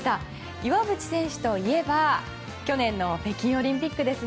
岩渕選手といえば去年の北京オリンピックですね。